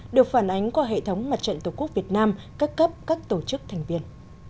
được phản ánh qua hệ thống mặt trận tổ quốc việt nam các cấp các tổ chức thành viên